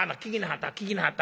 聞きなはった？